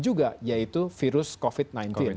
juga yaitu virus covid sembilan belas